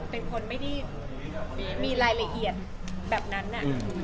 เป็นคนไม่ได้มีรายละเอียดแบบนั้น